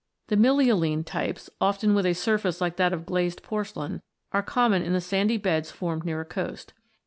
The milioline types, often with a surface like that of glazed porcelain, are common in the sandy beds formed near a coast.